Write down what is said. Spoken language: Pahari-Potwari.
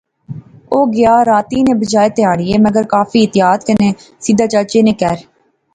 او گیا، راتی نے بجائے تہاڑیا، مگر کافی احتیاط کنے, سیدھا چاچے نے کہھر